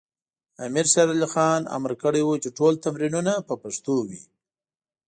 امیر شیر علی خان امر کړی و چې ټول تمرینونه په پښتو وي.